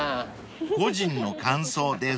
［個人の感想です］